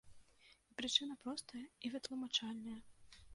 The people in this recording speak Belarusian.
І прычына простая і вытлумачальная.